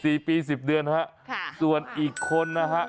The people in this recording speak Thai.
สี่ปีสิบเดือนครับส่วนอีกคนนะครับ